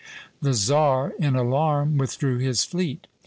The czar in alarm withdrew his fleet.